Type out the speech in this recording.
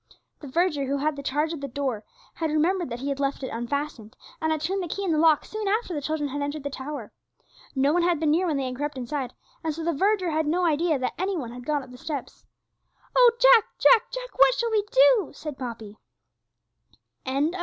The verger who had the charge of the door had remembered that he had left it unfastened, and had turned the key in the lock soon after the children had entered the tower. No one had been near when they had crept inside, and so the verger had no idea that any one had gone up the steps. 'Oh! Jack, Jack, Jack, what shall we do?' said Poppy. CHAPTER IV.